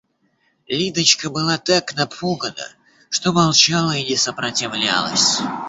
Лидочка была так напугана, что молчала и не сопротивлялась.